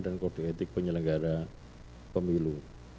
dan kode etik penyelenggara pemilu